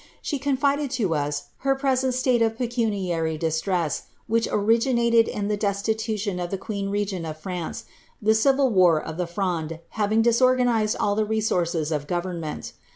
She confided to us her present state of pecuniary distress, which originated in the destitution of the queen regent of France, the civil war of the Fronde having disorganized all the resources of go vernment.